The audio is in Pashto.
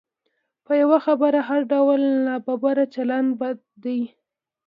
په یوه خبره هر ډول نابرابر چلند بد دی.